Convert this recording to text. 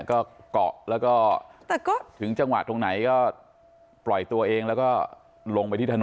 ก็เกาะแล้วก็ถึงจังหวะตรงไหนก็ปล่อยตัวเองแล้วก็ลงไปที่ถนน